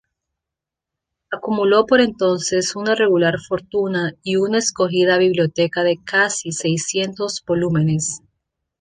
Acumuló por entonces una regular fortuna y una escogida biblioteca de casi seiscientos volúmenes.